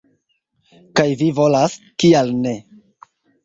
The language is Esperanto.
Kaj vi volas, kial ne?